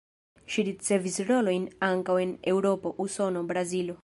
Ŝi ricevis rolojn ankaŭ en Eŭropo, Usono, Brazilo.